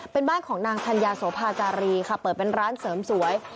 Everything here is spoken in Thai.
เป็นบ้านของนางธัญญาโสภาจารีค่ะเปิดเป็นร้านเสริมสวย